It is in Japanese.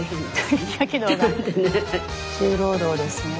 重労働ですね。